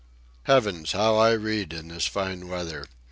Heavens!—how I read in this fine weather.